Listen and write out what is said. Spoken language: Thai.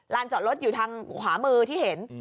จอดรถอยู่ทางขวามือที่เห็น